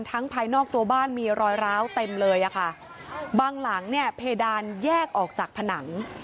ภายนอกตัวบ้านมีรอยร้าวเต็มเลยอะค่ะบางหลังเนี่ยเพดานแยกออกจากผนัง